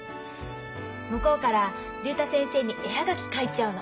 向こうから竜太先生に絵葉書書いちゃうの。